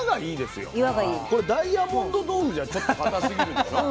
これダイヤモンド豆腐じゃちょっと固すぎるでしょ。